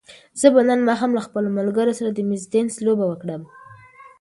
زه به نن ماښام له خپلو ملګرو سره د مېز تېنس لوبه وکړم.